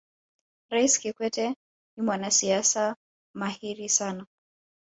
raisi kikwete ni mwanasiasa mahiri sana